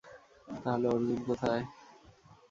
তাহলে অর্জুন কোথায়?